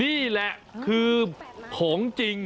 นี่แหละคือของจริง